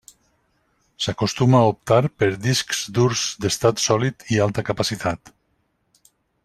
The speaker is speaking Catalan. S’acostuma a optar per discs durs d’estat sòlid i alta capacitat.